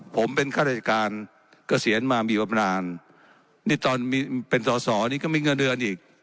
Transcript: ผมเป็นข้าราชการเกษียณมามีบำนานนี่ตอนมีเป็นสอสอนี่ก็มีเงินเดือนอีก